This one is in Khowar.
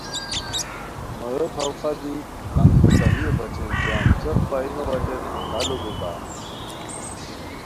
مورویو تھڑ خہ دی دم کوتاہیو بچین جم ځیچ پائینو بچین اندالو بیباغ